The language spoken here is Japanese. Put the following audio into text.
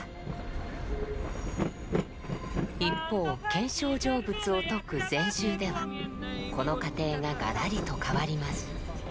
一方見性成仏を説く禅宗ではこの過程ががらりと変わります。